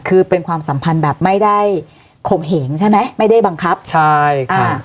คือเป็นความสัมพันธ์แบบไม่ได้ข่มเหงใช่ไหมไม่ได้บังคับใช่ค่ะ